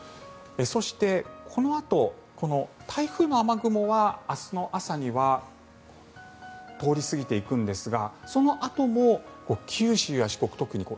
そしてこのあとこの台風の雨雲は明日の朝には通り過ぎていくんですがそのあとも九州や四国